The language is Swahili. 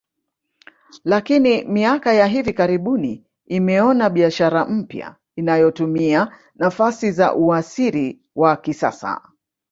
Lakini miaka ya hivi karibuni imeona biashara mpya inayotumia nafasi za usairi wa kisasa